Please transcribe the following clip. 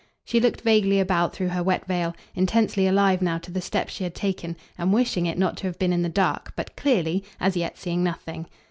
She looked vaguely about through her wet veil, intensely alive now to the step she had taken and wishing it not to have been in the dark, but clearly, as yet, seeing nothing.